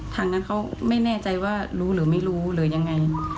ทางนั้นเขาไม่แน่ใจว่ารู้หรือไม่รู้หรือยังไง